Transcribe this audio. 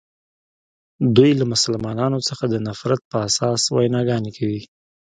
دوی له مسلمانانو څخه د نفرت په اساس ویناګانې کوي.